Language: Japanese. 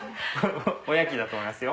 おやきだと思いますよ。